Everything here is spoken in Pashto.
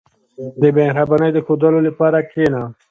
• د مهربانۍ د ښوودلو لپاره کښېنه.